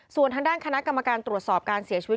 ส่วนทางด้านคณะกรรมการตรวจสอบการเสียชีวิต